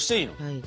はい。